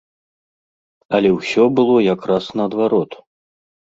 Але ўсё было якраз наадварот.